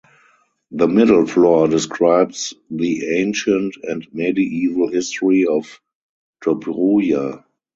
The middle floor describes the ancient and medieval history of Dobruja.